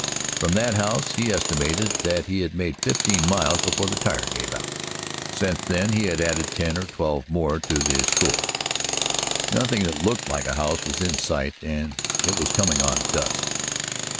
From that house he estimated that he had made fifteen miles before the tire gave out; since then he had added ten or twelve more to the score. Nothing that looked like a house was in sight, and it was coming on dusk.